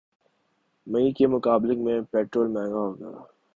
مئی کے مقابلے میں پٹرول مہنگا ہوگیا